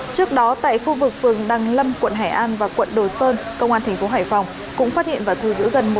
trước đó tại khu vực phường đăng lâm quận hải an và quận đồ sơn công an thành phố hải phòng cũng phát hiện và thu giữ gần một bảy trăm linh bình khí n hai o